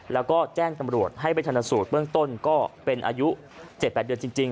แล้วก็แจ้งตำรวจให้ไปทันสูตรเบื้องต้นก็เป็นอายุ๗๘เดือนจริง